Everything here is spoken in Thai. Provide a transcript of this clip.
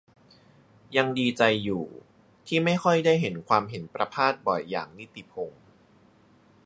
ยังดีใจอยู่ที่ไม่ค่อยได้เห็นความเห็นประภาสบ่อยอย่างนิติพงษ์